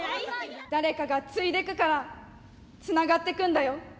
誰かが継いでくからつながってくんだよ。